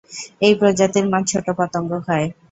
এই প্রজাতির মাছ ছোট পতঙ্গ খায়।